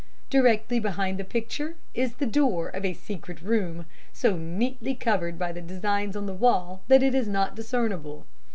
Directly behind the picture is the door of a secret room, so neatly covered by the designs on the wall that it is not discernible.